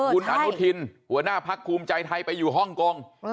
คุณอนุทินหัวหน้าพักภูมิใจไทยไปอยู่ฮ่องกง